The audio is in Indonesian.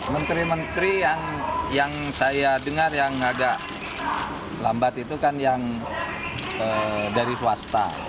menteri menteri yang saya dengar yang agak lambat itu kan yang dari swasta